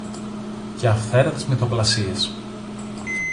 και αυθαίρετες μυθοπλασίες,